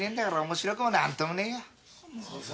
面白くも何ともねぇや。